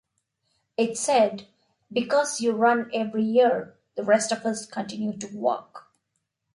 It said 'Because you run every year, the rest of us continue to walk.